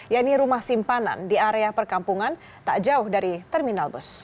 yaitu rumah simpanan di area perkampungan tak jauh dari terminal bus